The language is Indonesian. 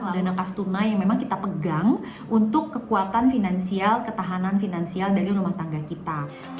layanan khas tunai yang memang kita pegang untuk kekuatan finansial ketahanan finansial dari rumah tangga kita